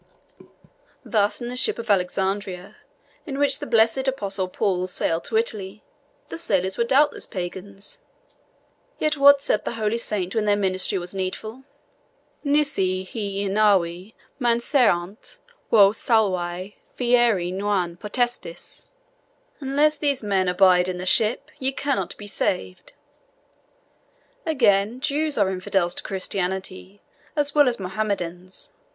Thus in the ship of Alexandria, in which the blessed Apostle Paul sailed to Italy, the sailors were doubtless pagans; yet what said the holy saint when their ministry was needful? 'NISI HI IN NAVI MANSERINT, VOS SALVI FIERI NON POTESTIS' Unless these men abide in the ship, ye cannot be saved. Again, Jews are infidels to Christianity, as well as Mohammedans.